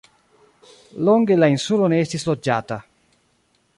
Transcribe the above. Longe la insulo ne estis loĝata.